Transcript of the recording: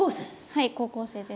はい高校生です。